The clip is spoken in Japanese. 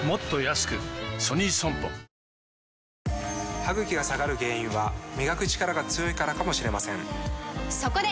歯ぐきが下がる原因は磨くチカラが強いからかもしれませんそこで！